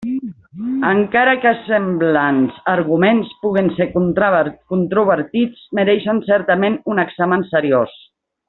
Encara que semblants arguments puguen ser controvertits, mereixen certament un examen seriós.